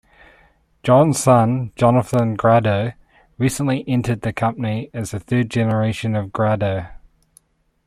John's son, Jonathan Grado, recently entered the company as the third generation of Grado.